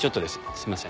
すいません。